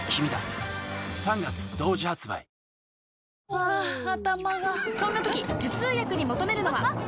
ハァ頭がそんな時頭痛薬に求めるのは？